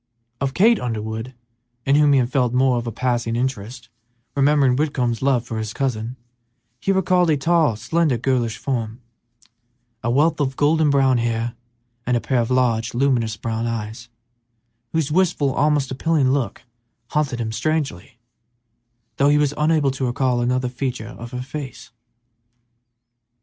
Of Kate Underwood, in whom he had felt more than a passing interest, remembering Whitcomb's love for his cousin, he recalled a tall, slender, girlish form; a wealth of golden brown hair, and a pair of large, luminous brown eyes, whose wistful, almost appealing look haunted him strangely, though he was unable to recall another feature of her face.